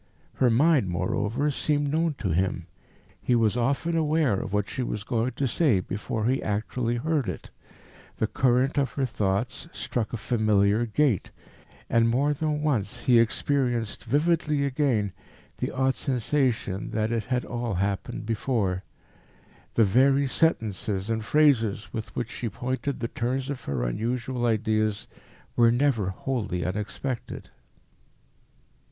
Her mind, moreover, seemed known to him; he was often aware of what she was going to say before he actually heard it; the current of her thoughts struck a familiar gait, and more than once he experienced vividly again the odd sensation that it all had happened before. The very sentences and phrases with which she pointed the turns of her unusual ideas were never wholly unexpected.